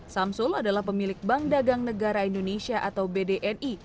samsul adalah pemilik bank dagang negara indonesia atau bdni